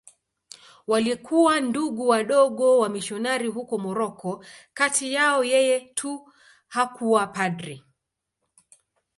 Walikuwa Ndugu Wadogo wamisionari huko Moroko.Kati yao yeye tu hakuwa padri.